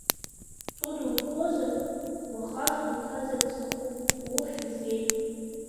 Судукылозар, уаха суҭазарц сҭахуп, уххь згеит?